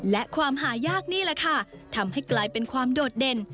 และความหายากนี่แหละค่ะทำให้กลายเป็นความโดดเด่น